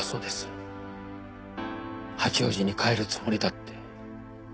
八王子に帰るつもりだって。